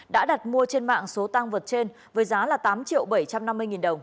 đã đặt mua trên mạng số tăng vật trên với giá là tám triệu bảy trăm năm mươi nghìn đồng